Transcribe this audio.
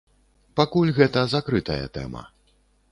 Пакуль гэта закрытая тэма.